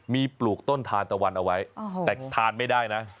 มีปลูกต้นทานตะวันเอาไว้แต่ทานไม่ได้นะ